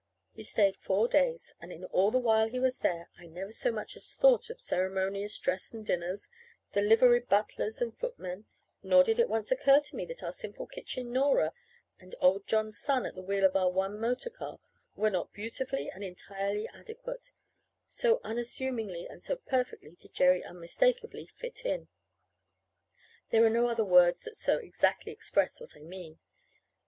He stayed four days; and all the while he was there, I never so much as thought of ceremonious dress and dinners, and liveried butlers and footmen; nor did it once occur to me that our simple kitchen Nora, and Old John's son at the wheel of our one motorcar, were not beautifully and entirely adequate, so unassumingly and so perfectly did Jerry unmistakably "fit in." (There are no other words that so exactly express what I mean.)